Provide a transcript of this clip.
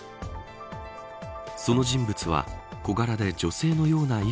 その人物は小柄で女性のような衣